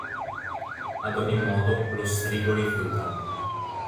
Ad ogni modo lo strigo rifiuta.